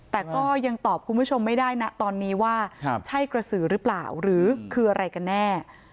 แต่ก็ยังตอบคุณผู้ชมไม่ได้นะตอนนี้ว่าใช่กระสือหรือเปล่าหรือคืออะไรกันแน่